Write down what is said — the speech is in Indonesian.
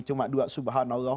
cuma dua subhanallah